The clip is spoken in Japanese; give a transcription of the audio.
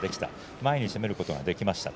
前に攻めることができました